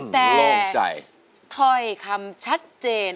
เปรียบความรักที่เหมือนมน